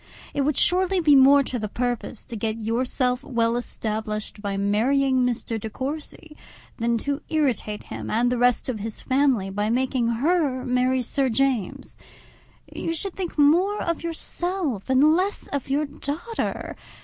It would surely be much more to the purpose to get yourself well established by marrying Mr. De Courcy, than to irritate him and the rest of his family by making her marry Sir James. You should think more of yourself and less of your daughter.